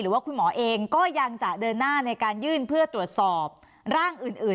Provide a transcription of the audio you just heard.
ว่าคุณหมอเองก็ยังจะเดินหน้าในการยื่นเพื่อตรวจสอบร่างอื่น